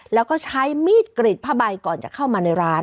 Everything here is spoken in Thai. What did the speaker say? แล้วก็ใช้มีดกรีดผ้าใบก่อนจะเข้ามาในร้าน